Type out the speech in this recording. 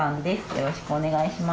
よろしくお願いします。